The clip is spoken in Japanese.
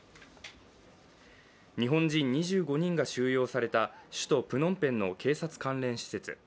日本人２５人が収容された首都プノンペンの警察関連施設。